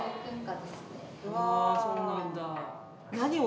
あぁそうなんだ。